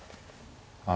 あ。